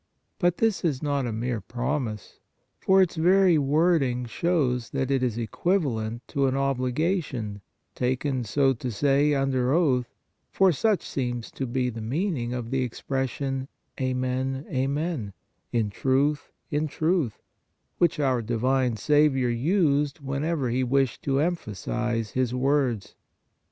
But this is not a mere promise, for its very wording shows that it is equiv alent to an obligation taken, so to say, under oath, for such seems to be the meaning of the expression "Amen, amen" (in truth, in truth), which our divine Saviour used whenever He wished to em phasize His words.